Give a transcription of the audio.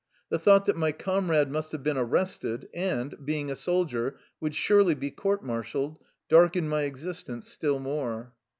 The thought that my com rade must have been arrested and, being a soldier, would surely be court martialed, dark ened my existence still more.